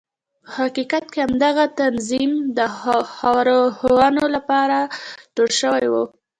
په حقیقت کې همدغه تنظیم د ښورښونو لپاره جوړ شوی و.